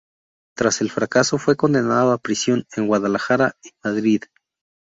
Tras el fracaso fue condenado a prisión en Guadalajara y Madrid.